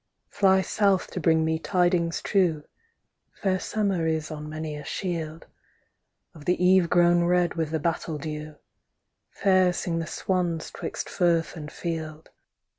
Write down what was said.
Fly south to bring me tidings true, Fair summer is on many a shield. Of the eve grown red with the battle dew, _Fair sing the swans 'twixt firth and field.